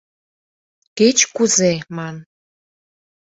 — Кеч-кузе ман...